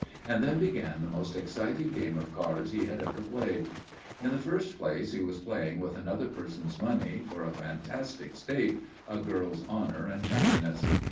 And then began the most exciting game of cards he had ever played. In the first place he was playing with another person's money for a fantastic stake, a girl's honour and happiness.